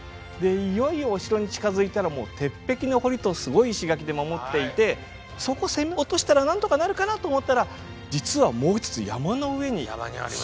いよいよお城に近づいたらもう鉄壁の堀とすごい石垣で守っていてそこ攻め落としたらなんとかなるかなと思ったら実はもう一つ山の上に山城があると。